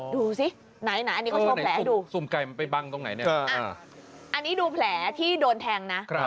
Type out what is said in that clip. ดูซิไหนอันนี้เขาโชว์แผลดู